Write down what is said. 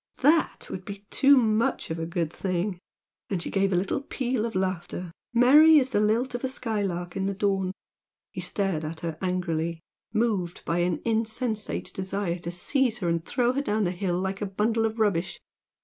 THAT would be too much of a good thing!" And she gave a little peal of laughter, merry as the lilt of a sky lark in the dawn. He stared at her angrily, moved by an insensate desire to seize her and throw her down the hill like a bundle of rubbish.